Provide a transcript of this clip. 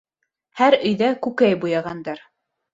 Һәр өйҙә күкәй буяғандар.